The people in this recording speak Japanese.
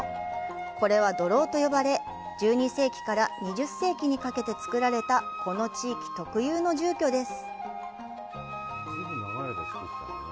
これは「土楼」と呼ばれ、１２世紀から２０世紀にかけて造られた、この地域特有の住居です。